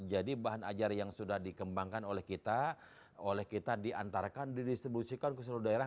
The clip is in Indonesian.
jadi bahan ajar yang sudah dikembangkan oleh kita oleh kita diantarkan didistribusikan ke seluruh daerah